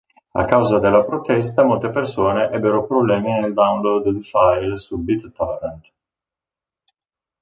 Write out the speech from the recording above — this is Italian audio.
A causa della protesta molte persone ebbero problemi nel download di file su BitTorrent.